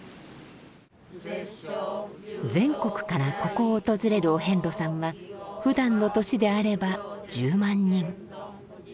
全国からここを訪れるお遍路さんはふだんの年であれば１０万人。